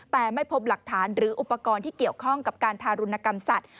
แต่ไม่พบหลักฐานหรืออุปกรณ์ที่เกี่ยวข้องกับการทารุณกรรมสัตว